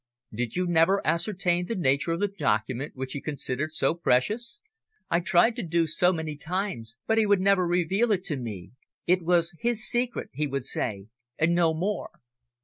"Did you never ascertain the nature of the document which he considered so precious?" "I tried to do so many times, but he would never reveal it to me. `It was his secret,' he would say, and no more."